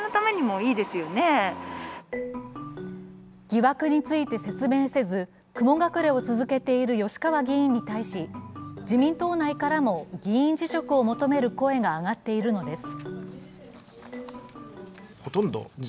疑惑について説明せず雲隠れを続けている吉川議員に対し、自民党内からも議員辞職を求める声が上がっているのです。